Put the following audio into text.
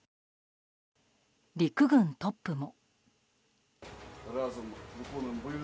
陸軍トップも。